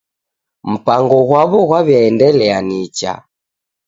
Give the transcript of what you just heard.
Mpango ghwaw'o ghwaw'iaendelia nicha.